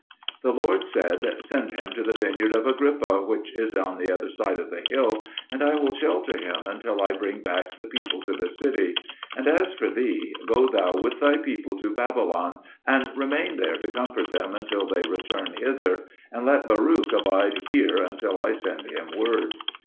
The Lord said, "Send him to the vineyard of Agrippa which is on the other side of the hill, and I will shelter him until I bring back the people to the city. And as for thee, go thou with thy people to Babylon, and remain there to comfort them until they return hither. And let Baruch abide here until I send him word."